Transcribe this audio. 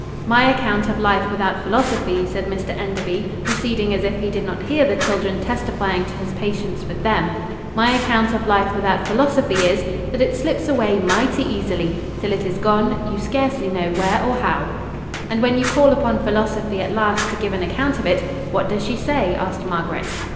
"My account of life without philosophy," said Mr Enderby, proceeding as if he did not hear the children testifying to his patience with them, "my account of life without philosophy is, that it slips away mighty easily, till it is gone, you scarcely know where or how." "And when you call upon philosophy at last to give an account of it, what does she say?" asked Margaret.